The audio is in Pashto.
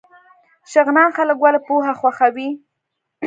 شغنان خلک ولې پوهه خوښوي؟